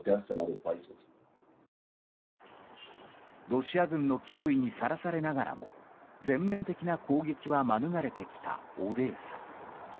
ロシア軍の脅威にさらされながらも全面的な攻撃は免れてきたオデーサ。